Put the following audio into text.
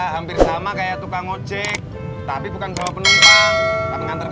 hampir sama kayak tukang ngocet tapi bukan bawa penumpang nganterin barang